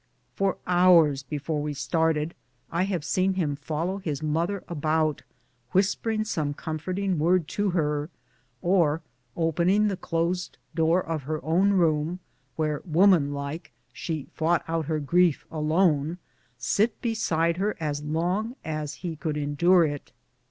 For hours before we started, I have seen him follow his mother about, whispering some comforting word to her ; or, opening the closed door of her own room, where, womanlike, she fought out her grief alone, sit beside her as long as he could endure it.